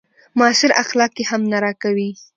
معاصر اخلاق يې هم نه راکوي.